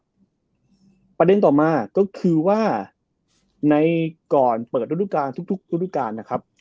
แต่ประเด็นต่อมาก็คือว่าในก่อนเปิดทุกการนะครับ